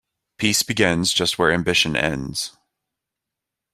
Peace begins just where ambition ends.